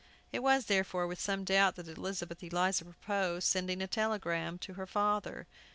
It was, therefore, with some doubt that Elizabeth Eliza proposed sending a telegram to her father.